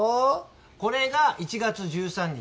これが１月１３日